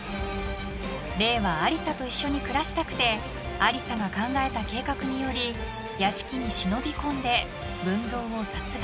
［玲はアリサと一緒に暮らしたくてアリサが考えた計画により屋敷に忍び込んで文蔵を殺害。